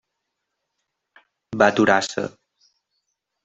Va aturar-se.